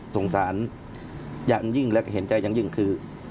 สงสารอย่างยิ่งและเห็นใจอย่างยิ่งคือ